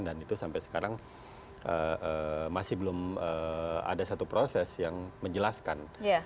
dan itu sampai sekarang masih belum ada satu proses yang menjelaskan